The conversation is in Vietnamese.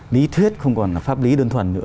lý thuyết không còn pháp lý đơn thuần